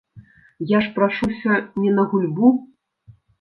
Я ж прашуся не на гульбу.